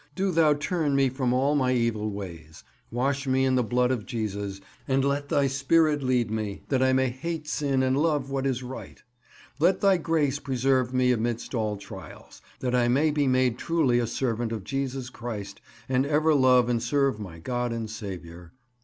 Do Thou turn me from all my evil ways; wash me in the blood of Jesus, and let Thy Spirit lead me that I may hate sin and love what is right. Let Thy grace preserve me amidst all trials, that I may be made truly a servant of Jesus Christ and ever love and serve my God and Saviour.